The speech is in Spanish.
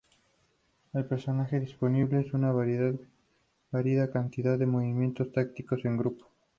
El personaje dispone de una variada cantidad de movimientos tácticos en grupo.